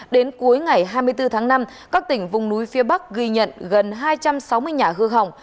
đến cuối ngày hai mươi bốn tháng năm các tỉnh vùng núi phía bắc ghi nhận gần hai trăm sáu mươi nhà hư hỏng